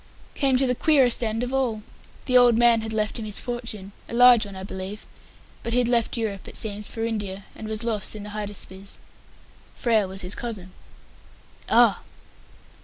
"Came to the queerest end of all. The old man had left him his fortune a large one, I believe but he'd left Europe, it seems, for India, and was lost in the Hydaspes. Frere was his cousin." "Ah!"